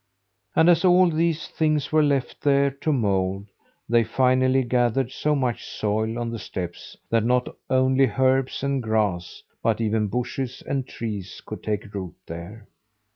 And as all these things were left there to mould, they finally gathered so much soil on the steps that not only herbs and grass, but even bushes and trees could take root there.